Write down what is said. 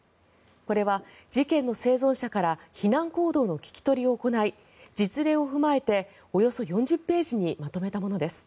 これは事件の生存者から避難行動の聞き取りを行い実例を踏まえておよそ４０ページにまとめたものです。